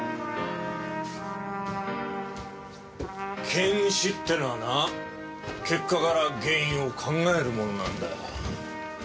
検視ってのはな結果から原因を考えるものなんだ。